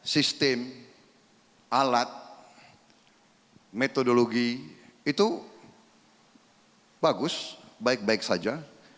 sistem alat metodologi itu bagus baik baik saja